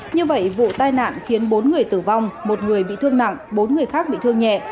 như vậy vụ tai nạn khiến bốn người tử vong một người bị thương nặng bốn người khác bị thương nhẹ